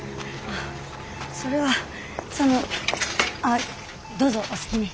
それはそのどうぞお好きに。